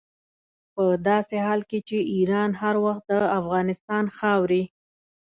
په داسې حال کې چې ایران هر وخت د افغانستان خاورې.